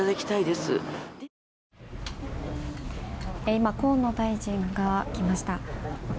今、河野大臣が来ました。